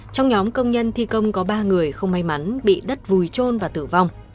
trong nhóm công nhân thi công có ba người không may mắn bị đất vùi trôn và tử vong